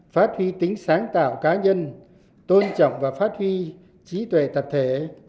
phát huy tính sáng tạo cá nhân tôn trọng và phát huy trí tuệ tập thể